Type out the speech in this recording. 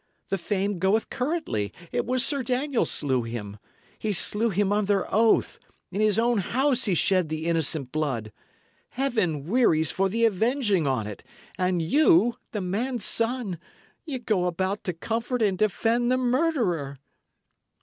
"The fame goeth currently, it was Sir Daniel slew him. He slew him under oath; in his own house he shed the innocent blood. Heaven wearies for the avenging on't; and you the man's son ye go about to comfort and defend the murderer!"